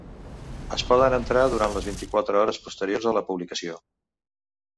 Es poden entrar durant les vint-i-quatre hores posteriors a la publicació.